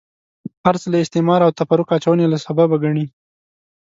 هرڅه له استعماره او تفرقه اچونې له سببه ګڼي.